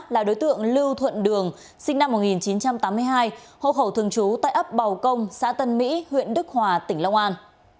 là đối tượng lưu thuận đường sinh năm một nghìn chín trăm tám mươi hai hộ khẩu thường trú tại ấp bào công xã tân mỹ huyện đức hòa tỉnh long an